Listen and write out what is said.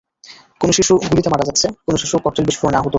কোনো শিশু গুলিতে মারা যাচ্ছে, কোনো শিশু ককটেল বিস্ফোরণে আহত হচ্ছে।